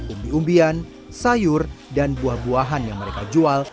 umbi umbian sayur dan buah buahan yang mereka jual